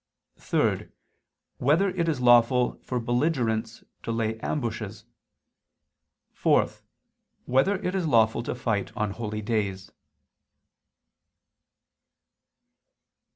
(3) Whether it is lawful for belligerents to lay ambushes? (4) Whether it is lawful to fight on holy days?